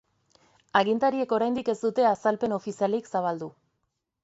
Agintariek oraindik ez dute azalpen ofizialik zabaldu.